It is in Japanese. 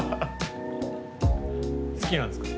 好きなんですか？